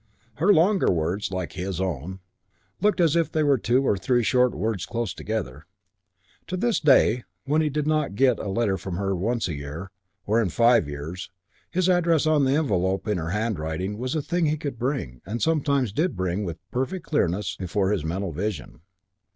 Her longer words, like his own, looked as if they were two or three short words close together. To this day, when he did not get a letter from her once in a year or in five years his address on an envelope in her handwriting was a thing he could bring, and sometimes did bring with perfect clearness before his mental vision.